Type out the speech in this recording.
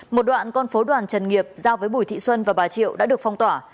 một đoạn con phố đoàn trần nghiệp giao với bùi thị xuân và bà triệu đã được phong tỏa